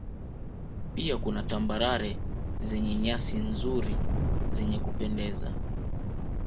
Pia kuna Tambarare zenye nyasi nzuri zenye kupendeza